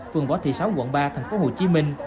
phường võ thị sáu quận ba thành phố hồ chí minh